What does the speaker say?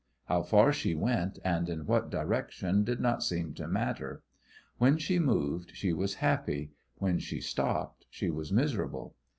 How far she went and in what direction did not seem to matter. When she moved she was happy; when she stopped she was miserable.